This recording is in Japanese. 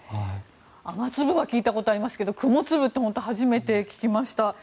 雨粒は聞いたことがありますけど、雲粒は本当に初めて聞きました。